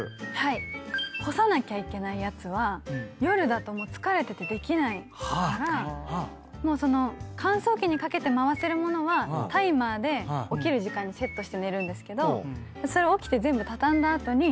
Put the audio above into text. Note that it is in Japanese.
干さなきゃいけないやつは夜だと疲れててできないからもう乾燥機にかけて回せる物はタイマーで起きる時間にセットして寝るんですけどそれ起きて全部畳んだ後に。